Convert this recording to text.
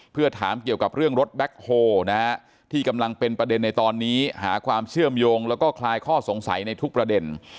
เพื่อถามเกี่ยวกับเรื่องรถแบ็คโฮนะฮะที่กำลังเป็นประเด็นในตอนนี้หาความเชื่อมโยงแล้วก็คลายข้อสงสัยในทุกประเด็น